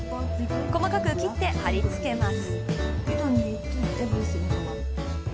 細かく切って貼り付けます。